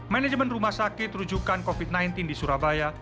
manajemen rumah sakit rujukan covid sembilan belas di surabaya